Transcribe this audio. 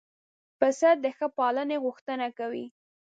پسه د ښې پالنې غوښتنه کوي.